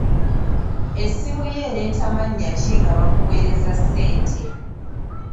Essimu yo ereeta mannya ki nga bakuweereza ssente.